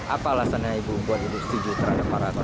apa alasannya ibu buat setuju terhadap para koruptor